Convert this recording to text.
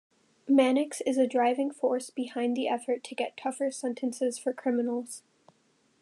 Mannix is a driving force behind the effort to get tougher sentences for criminals.